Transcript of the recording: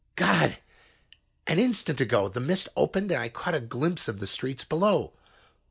"God! An instant ago the mist opened and I caught a glimpse of the streets below.